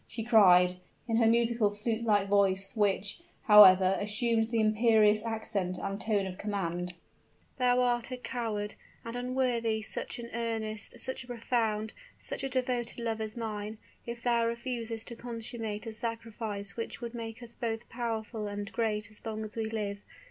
she cried, in her musical, flute like voice, which, however, assumed the imperious accent and tone of command: "thou art a coward, and unworthy such an earnest such a profound, such a devoted love as mine, if thou refusest to consummate a sacrifice which will make us both powerful and great as long as we live!